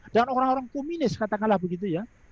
dan orang orang komunis katakanlah begitu ya